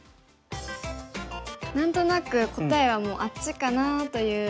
何となく答えはもうあっちかなという。